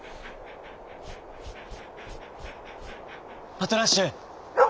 「パトラッシュ！」。